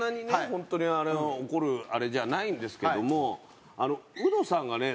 本当に怒るあれじゃないんですけどもウドさんがね